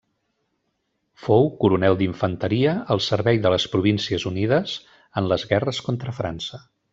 Fou coronel d'infanteria al servei de les Províncies Unides en les guerres contra França.